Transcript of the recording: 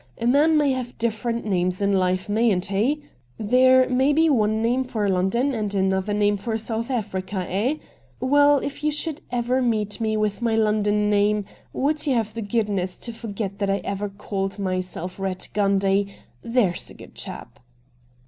A man may have different names in life, mayn't he ? There may be one name for London and another name for South Africa, eh ? Well, if you should ever meet me witli my London name, would you have the good ness to forget that I ever called myself Eatt Gundy, there's a good chap